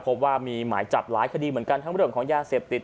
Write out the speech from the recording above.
พบว่ามีหมายจับหลายคดีเหมือนกันทั้งเรื่องของยาเสพติด